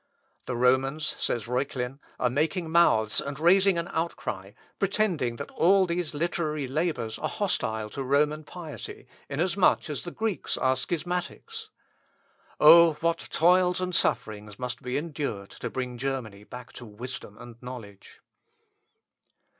"The Romans," says Reuchlin, "are making mouths and raising an outcry, pretending that all these literary labours are hostile to Roman piety, inasmuch as the Greeks are schismatics. Oh! what toils and sufferings must be endured to bring Germany back to wisdom and knowledge!"